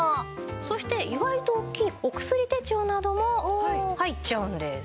そして意外と大きいお薬手帳なども入っちゃうんです。